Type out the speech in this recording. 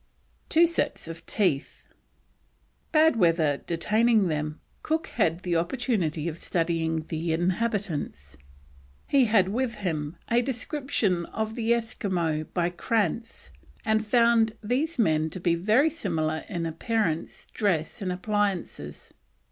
TWO SETS OF TEETH. Bad weather detaining them, Cook had an opportunity of studying the inhabitants. He had with him a description of the Esquimaux, by Crantz, and found these men to be very similar in appearance, dress, and appliances.